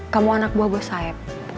kamu anak buah sayap